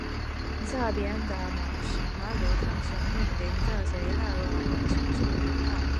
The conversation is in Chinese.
这边的马路沿山而建，走在路上经常要上坡下坡，十分难走。